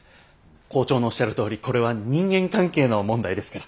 校長のおっしゃるとおりこれは人間関係の問題ですから。